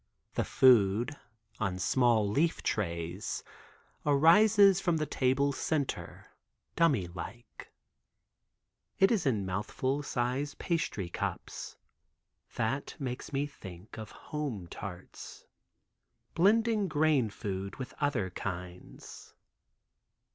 The food, on small leaf trays, arises from the table center dummy like. It is in mouthful size pastry cups (that makes me think of home tarts), blending grain food with other kinds.